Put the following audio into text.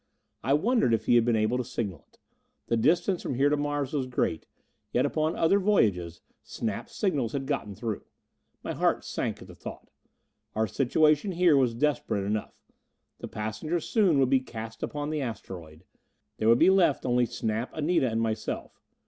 I wondered if he had been able to signal it. The distance from here to Mars was great; yet upon other voyages Snap's signals had gotten through. My heart sank at the thought. Our situation here was desperate enough. The passengers soon would be cast upon the asteroid: there would be left only Snap, Anita and myself.